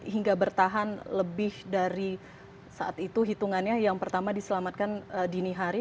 hingga bertahan lebih dari saat itu hitungannya yang pertama diselamatkan dini hari